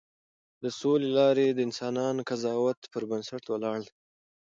د سولې لارې د انسانانه قضاوت پر بنسټ ولاړې دي.